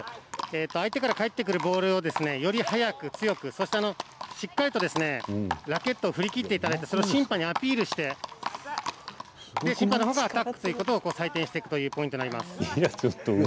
相手から返ってくるボールをより強く速く、そしてしっかりとラケットを振り切ってそれを審判にアピールして審判がアタックを採点していくということになります。